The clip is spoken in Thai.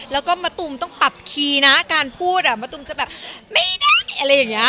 แล้วก็มะตูมต้องปรับคีย์นะการพูดมะตูมจะแบบไม่ได้อะไรอย่างนี้